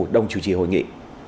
đồng chủ trì hội nghị